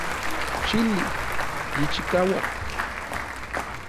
Chili yichikauak.